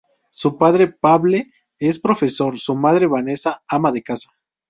Su padre, Pavle, es profesor; su madre, Vesna, ama de casa.